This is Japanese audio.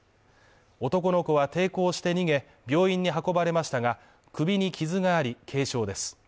男の子は抵抗して逃げ、病院に運ばれましたが、首に傷があり、軽傷です。